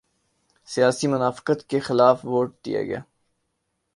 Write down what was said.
سیاسی منافقت کے خلاف ووٹ دیا ہے۔